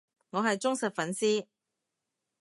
我係忠實粉絲